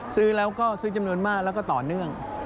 ซื้อแล้วก็ซื้อจำนวนมากแล้วก็ต่อเนื่อง